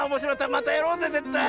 またやろうぜぜったい！